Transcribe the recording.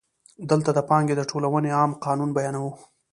دلته د پانګې د ټولونې عام قانون بیانوو